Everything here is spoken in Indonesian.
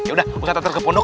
yaudah ustadz antar ke pondok